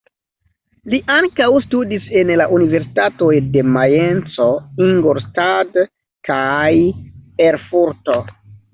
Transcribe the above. Li ankaŭ studis en la Universitatoj de Majenco, Ingolstadt kaj Erfurto.